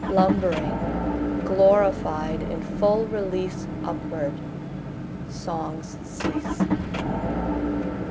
lumbering glorified in full release upward songs cease.